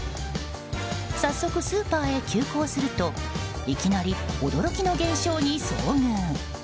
早速、スーパーへ急行するといきなり驚きの現象に遭遇。